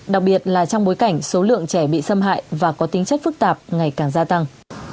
đặc biệt là trong bối cảnh số lượng trẻ bị xâm hại và có tính chất phức tạp ngày càng gia tăng